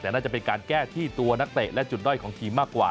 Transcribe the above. แต่น่าจะเป็นการแก้ที่ตัวนักเตะและจุดด้อยของทีมมากกว่า